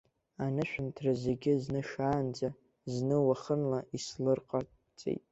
Анышәынҭра зегьы зны шаанӡа, зны уахынла ислырҟаҵеит.